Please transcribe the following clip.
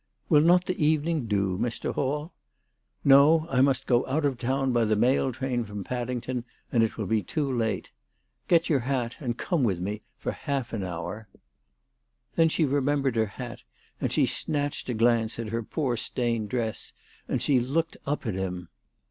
"Will not the evening do, Mr. Hall?" " No ; I must go out of town by the mail train from Paddington, and it will be too late. Get your hat and come with me for half an hour." Then she remembered her hat, and she snatched a glance at her poor stained dress, and she looked up at him.